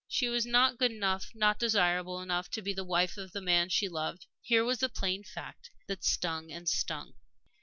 She was not good enough, not desirable enough, to be the wife of the man she loved. Here was the plain fact that stung and stung.